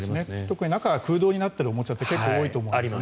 特に中が空洞になっているおもちゃって結構多いと思うんですね。